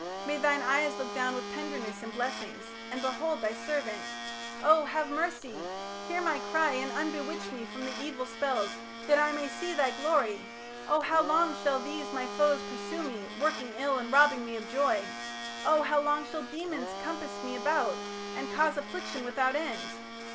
May thine eyes look down With tenderness and blessings, and behold Thy servant. Oh! have mercy; hear my cry And unbewitch me from the evil spells, That I may see thy glory... Oh! how long Shall these my foes pursue me, working ill, And robbing me of joy?... Oh! how long Shall demons compass me about and cause Affliction without end?...